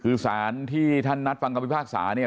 คือศาลที่ท่านนัดฟังความวิทยาภาคศาลเนี่ย